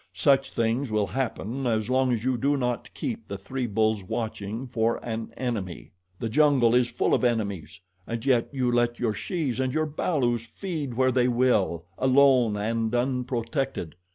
"Such things will happen as long as you do not keep the three bulls watching for an enemy. The jungle is full of enemies, and yet you let your shes and your balus feed where they will, alone and unprotected.